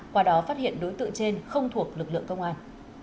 qua đó phát hiện đối tượng trên không thuộc lực lượng công an